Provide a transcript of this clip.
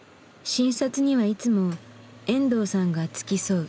診察にはいつも遠藤さんが付き添う。